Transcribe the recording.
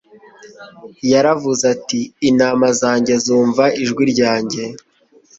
Yaravuze ati : «intama zajye zumva ijwi ryanjye ...